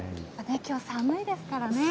きょう寒いですからね。